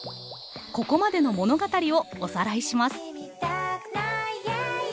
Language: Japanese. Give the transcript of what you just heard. ここまでの物語をおさらいします。